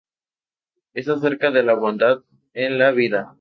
Es acerca de la bondad en la vida.